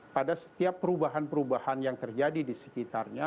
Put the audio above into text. pada setiap perubahan perubahan yang terjadi di sekitarnya